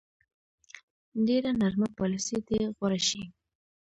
ډېره نرمه پالیسي دې غوره شي.